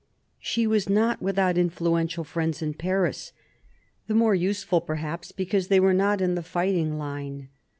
She was not without influential friends in Paris ; the more useful, perhaps, because they were not in the fighting line.